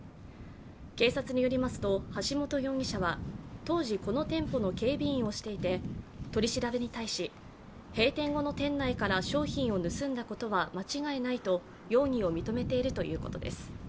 警察によりますと、橋本容疑者は当時、この店舗の警備員をしていて取り調べに対し閉店後の店内から商品を盗んだことは間違いないと容疑を認めているということです。